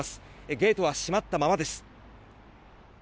ゲートは閉まったままです。